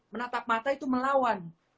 menatap mata itu melawan